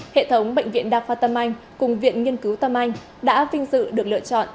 hệ thống bệnh viện đa khoa tâm anh cùng viện nghiên cứu tâm anh đã vinh dự được lựa chọn